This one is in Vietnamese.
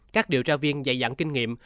các điều tra viên dạy dặn kinh nghiệm